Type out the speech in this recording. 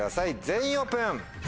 全員オープン！